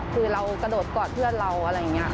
คือเรากระโดดกอดเพื่อนเราอะไรอย่างนี้